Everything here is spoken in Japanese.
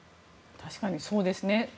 確かにそうですね。